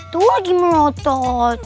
tuh lagi melotot